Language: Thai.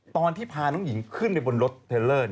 ตอนที่พาน้องหญิงขึ้นไปบนรถเทลเลอร์